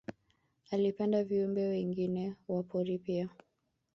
Alipenda viumbe wengine wa pori pia